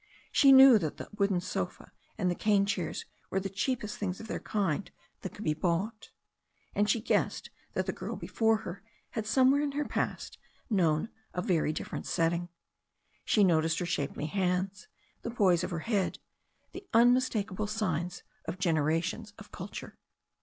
She knew that the wooden sofa and the cane chairs were the cheapest things of their kind that could be bought. And she guessed that the girl before her had somewhere in the past known a very different setting. She noticed her shapely hands, the poise of her head, the unmistakable signs, of generations of culture.